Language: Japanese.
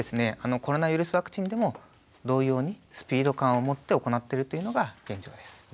コロナウイルスワクチンでも同様にスピード感をもって行ってるっていうのが現状です。